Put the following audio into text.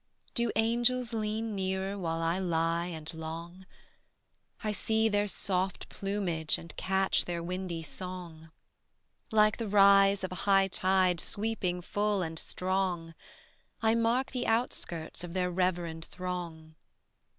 Do angels lean nearer While I lie and long? I see their soft plumage And catch their windy song, Like the rise of a high tide Sweeping full and strong; I mark the outskirts Of their reverend throng.